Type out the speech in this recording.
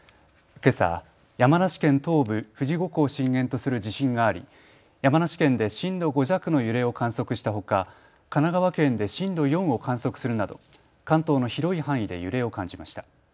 けさ、山梨県東部、富士五湖を震源とする地震があり山梨県で震度５弱の揺れを観測したほか神奈川県で震度４を観測するなど関東の広い範囲で揺れを感じました。